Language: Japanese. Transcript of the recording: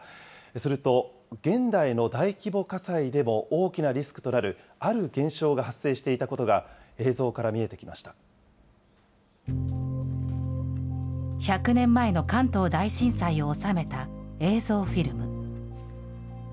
すると、現代の大規模火災でも大きなリスクとなる、ある現象が発生していたことが映像から見えて１００年前の関東大震災を収めた映像フィルム。